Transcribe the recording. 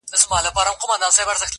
ما د احساس د ګل په لپه کښې لمبه راؤړې